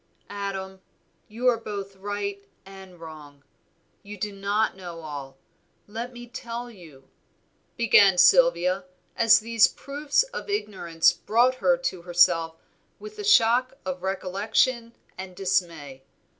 "Adam, you are both right and wrong, you do not know all, let me tell you," began Sylvia, as these proofs of ignorance brought her to herself with a shock of recollection and dismay.